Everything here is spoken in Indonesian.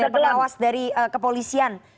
pengawas dari kepolisian